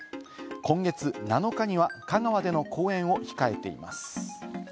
今月７日には香川での公演を控えています。